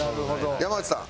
山内さん。